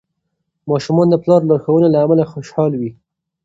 ماشومان د پلار لارښوونو له امله خوشحال وي.